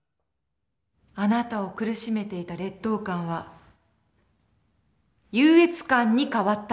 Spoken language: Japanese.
あなたを苦しめていた劣等感は優越感に変わったんですね。